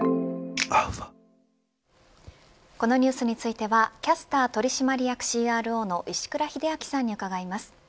このニュースについてはキャスター取締役ＣＲＯの石倉秀明さんに伺います。